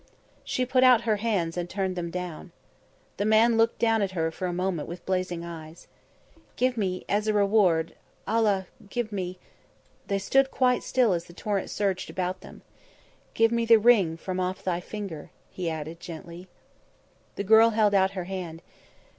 She put out her hands and turned them down. The man looked down at her for a moment with blazing eyes. "Give me as a reward Allah give me " They stood quite still as the torrent surged, about them. "Give me the ring from off thy finger," he added, gently. The girl held out her hand.